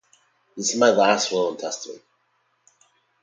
This is my last will and testament